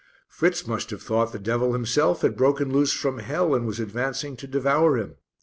Fritz must have thought the devil himself had broken loose from hell and was advancing to devour him.